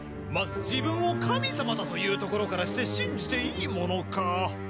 まず自分を神様だと言うところからして信じていいものか。